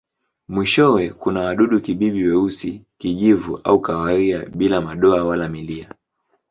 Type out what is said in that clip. Mwishowe kuna wadudu-kibibi weusi, kijivu au kahawia bila madoa wala milia.